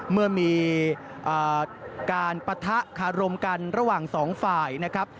เมื่อมีการปะทะคารมกันระหว่างสองฝ่ายนะครับ